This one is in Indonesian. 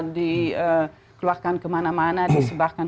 dikeluarkan kemana mana disebarkan